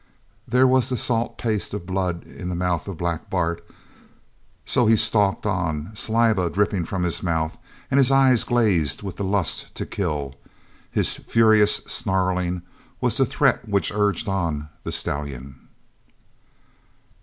There was the salt taste of blood in the mouth of Black Bart; so he stalked on, saliva dripping from his mouth, and his eyes glazed with the lust to kill. His furious snarling was the threat which urged on the stallion.